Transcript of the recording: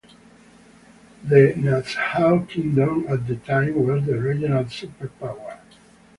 The Nanzhao kingdom at the time was the regional superpower.